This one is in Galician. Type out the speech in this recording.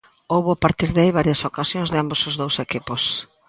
Houbo a partir de aí varias ocasións de ambos os dous equipos.